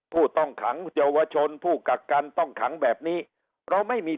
ผู้ต้องขังเยาวชนผู้กักกันต้องขังแบบนี้เราไม่มี